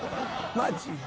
マジで。